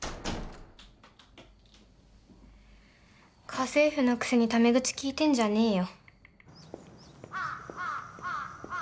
家政婦のくせにタメ口利いてんじゃねえよ。